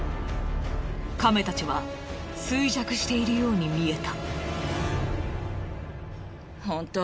カメたちは衰弱しているように見えた。